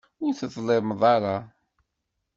Ur teḍlimeḍ ara.